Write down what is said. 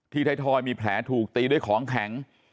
ไทยทอยมีแผลถูกตีด้วยของแข็ง